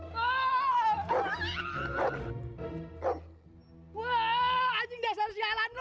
waaah anjing dasar sialan lo